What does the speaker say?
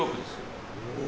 お！